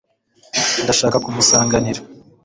ndashaka kumusanganira